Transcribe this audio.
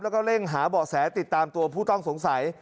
แล้วก็เร่งหาเบาะแสติดตามตัวผู้ต้องสงสัย